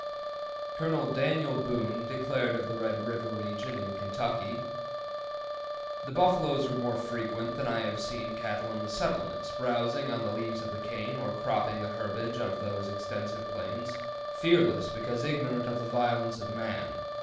Col. Daniel Boone declared of the Red River region in Kentucky, "The buffaloes were more frequent than I have seen cattle in the settlements, browzing on the leaves of the cane, or cropping the herbage of those extensive plains, fearless because ignorant of the violence of man.